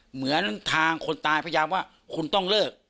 เหมือนทางคนตายพยายามว่าคุณต้องเลิก